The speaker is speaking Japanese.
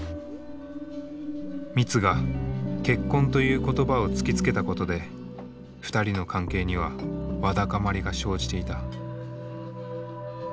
ミツが結婚という言葉を突きつけたことで２人の関係にはわだかまりが生じていた。